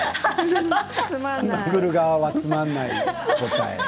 作る側はつまらない答え。